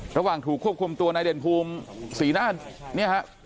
ระหว่างถูกควบคุมตัวนายเด่นภูมิศรีน่านเนี่ยฮะ